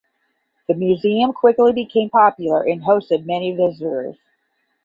The museum quickly became popular and hosted many visitors.